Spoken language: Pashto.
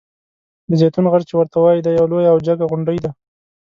د زیتون غر چې ورته وایي دا یوه لویه او جګه غونډۍ ده.